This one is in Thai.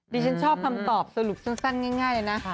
ดิฉันชอบคำตอบสรุปสั้นง่ายเลยนะ